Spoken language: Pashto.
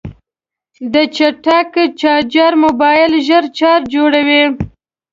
د چټک چارجر موبایل ژر چارجوي.